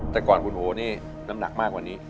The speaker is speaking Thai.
แต่ก่อนคุณโอนี่น้ำหนักมากกว่านี้